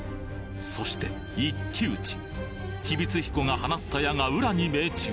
そして一騎打ち吉備津彦が放った矢が温羅に命中